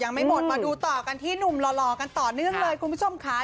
ยังไม่หมดมาดูต่อกันที่หนุ่มหล่อกันต่อเนื่องเลยคุณผู้ชมค่ะ